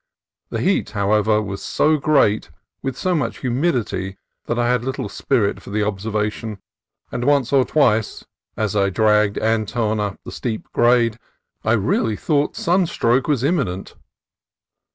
The heat, however, was so great, with so much humidity, that I had little spirit for observation ; and once or twice, as I dragged Anton up the steep grade, I really thought sunstroke was imminent.